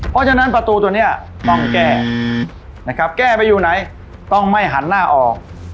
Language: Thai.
เพราะฉะนั้นประตูตัวนี้ต้องแก้นะครับแก้ไปอยู่ไหนต้องไม่หันหน้าออก